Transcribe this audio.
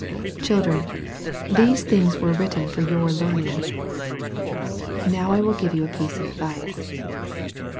Children, these things were written for your learning. Now I will give you a piece of advice.